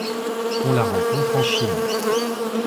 On la rencontre en Chine.